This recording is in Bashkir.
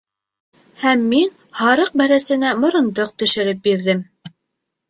Һәм мин һарыҡ бәрәсенә морондоҡ төшөрөп бирҙем.